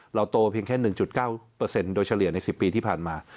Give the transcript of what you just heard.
เราโตเพียงแค่๑๙โดยเฉลี่ยใน๑๐ปีที่ผ่านมา